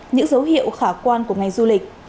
những dấu hiệu khả quan của ngày du lịch